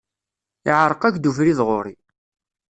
Iεreq-ak-d ubrid ɣur-i.